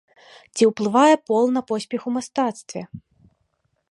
Ці ўплывае пол на поспех у мастацтве?